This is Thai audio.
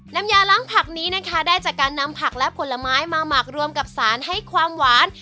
น้ำยาล้างผักนี้นะคะได้จากการนำผักและผลไม้มาหมักรวมกับสารให้ความหวาน